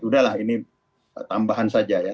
sudahlah ini tambahan saja